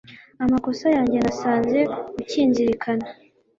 amakosa yanjye, nasanze ukinzirikana